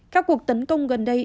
các cuộc tấn công gần đây